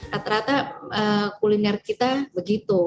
rata rata kuliner kita begitu